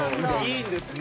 いいんですね。